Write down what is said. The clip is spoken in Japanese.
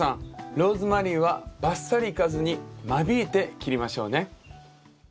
ローズマリーはバッサリいかずに間引いて切りましょうね。